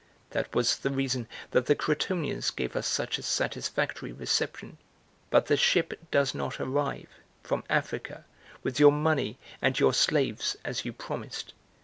(That was the reason that the Crotonians gave us such a satisfactory reception, but) the ship does not arrive, from Africa, with your money and your slaves, as you promised.